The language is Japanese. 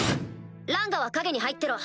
ランガは影に入ってろ。